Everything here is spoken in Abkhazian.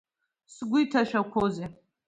Сгәы иҭашәақәозеи…